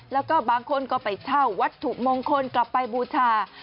แล้วก็บางคนก็ไปเช่าวัตถุมงคลกลับไปบูชา